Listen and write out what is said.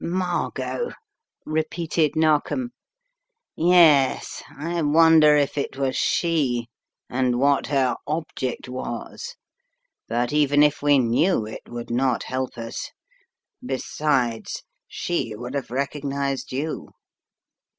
"Margot," repeated Narkom. "Yes, I wonder if it was she and what her object was, but even if we knew it would not help us. Besides, she would have recognized you."